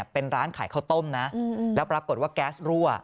เป็นร้านขายข้าวต้มนะแล้วปรากฏว่าแก๊สรั่ว